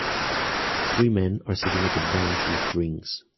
Three men are sitting at a bench with drinks.